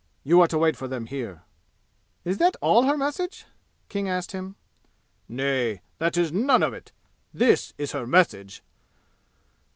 You are to wait for them here." "Is that all her message?" King asked him. "Nay. That is none of it! This is her message.